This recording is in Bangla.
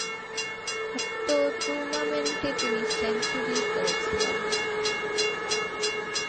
উক্ত টুর্নামেন্টে তিনি সেঞ্চুরি করেছিলেন।